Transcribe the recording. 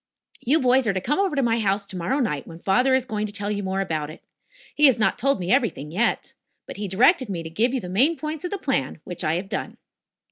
"You boys are to come over to my house tomorrow night, when father is going to tell you more about it. He has not told me everything yet. But he directed me to give you the main points of the plan, which I have done."